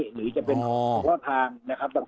หรือจะเป็นของล่อทางนะครับต่าง